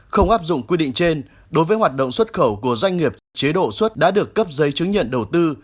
không áp dụng quy định trên đối với hoạt động xuất khẩu của doanh nghiệp chế độ xuất đã được cấp giấy chứng nhận đầu tư